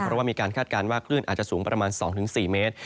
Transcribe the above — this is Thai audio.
เพราะว่ามีการคาดการณ์ว่าคลื่นอาจจะสูงประมาณ๒๔เมตร